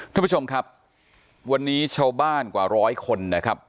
ท่านผู้ชมครับวันนี้ชาวบ้านกว่าร้อยคนนะครับ